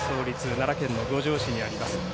奈良県の五條市にあります。